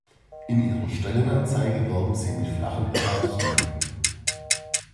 In Ihrer Stellenanzeige werben Sie mit flachen Hierarchien.